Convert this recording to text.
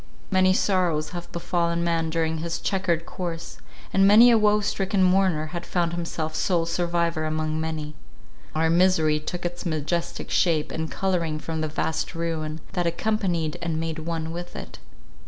Many sorrows have befallen man during his chequered course; and many a woe stricken mourner has found himself sole survivor among many. Our misery took its majestic shape and colouring from the vast ruin, that accompanied and made one with it.